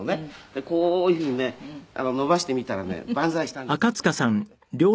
「でこういうふうにね伸ばしてみたらねバンザイしたんですよ」